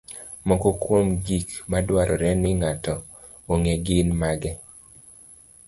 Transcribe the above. Moko kuom gik madwarore ni ng'ato ong'e gin mage?